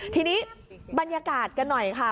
ทีนี้บรรยากาศกันหน่อยค่ะ